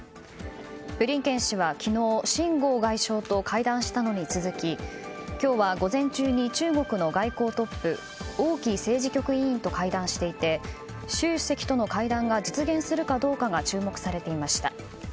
ブリンケン氏は、昨日シン・ゴウ外相と会談したのに続き今日は午前中に中国の外交トップ王毅政治局委員と会談していて習主席との会談が実現するかどうかが注目されていました。